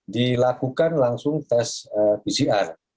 dilakukan langsung tes pcr